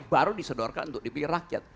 baru disedorkan untuk dipilih rakyat